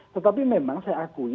tetapi memang saya akui